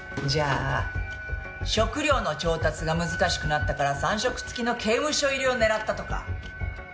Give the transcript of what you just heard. じゃあ食料の調達が難しくなったから３食付きの刑務所入りを狙ったとか？